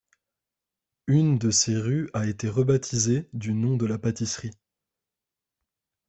Une de ses rues a été rebaptisée du nom de la pâtisserie.